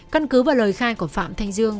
căn cứ và lời khai của phạm thanh dương